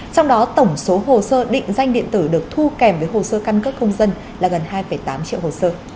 trong đó tổng số hồ sơ định danh điện tử được thu kèm với hồ sơ căn cước công dân là gần hai tám triệu hồ sơ